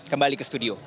kembali ke studio